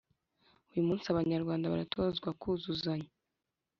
. Uyu munsi, Abanyarwanda baratozwa kuzuzanya,